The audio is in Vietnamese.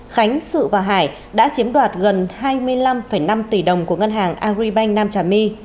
khánh sự và hải đã chiếm đoạt gần hai mươi năm năm tỷ đồng của ngân hàng agribank nam trà my